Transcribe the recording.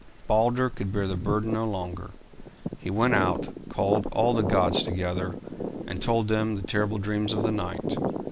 Balder could bear the burden no longer. He went out, called all the gods together, and told them the terrible dreams of the night.